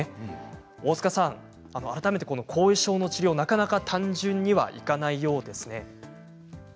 大塚さん、改めて後遺症の治療なかなか単純にはいかないようですね。